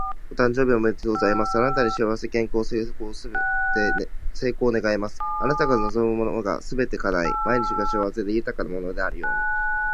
お誕生日おめでとうございます！あなたに幸せ、健康、成功を願います。あなたが望むものがすべて叶い、毎日が幸せで豊かなものであるように。